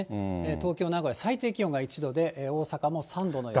東京、名古屋、最低気温が１度で、大阪も３度の予想。